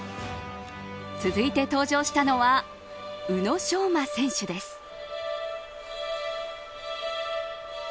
続いて登場したのは宇野昌磨選手です。